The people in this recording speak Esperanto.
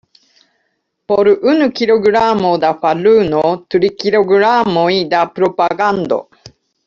Por unu kilogramo da faruno, tri kilogramoj da propagando.